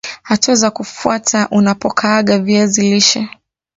Hatua za kufuata unapokaanga viazi lishe